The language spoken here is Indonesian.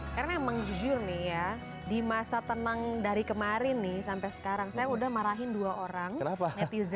karena emang jujur nih ya di masa tenang dari kemarin nih sampai sekarang saya udah marahin dua orang netizen